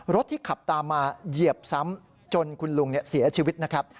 ที่ขับตามมาเหยียบซ้ำจนคุณลุงเสียชีวิตนะครับ